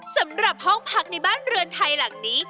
สำหรับห้องพักในบ้านเรือนไทยหลังนี้